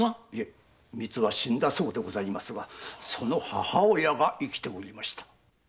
いえみつは死んだそうですがその母親が生きておりました。